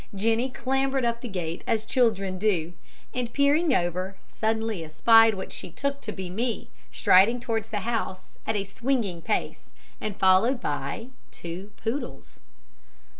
Jennie clambered up the gate as children do, and peering over, suddenly espied what she took to be me, striding towards the house, at a swinging pace, and followed by two poodles.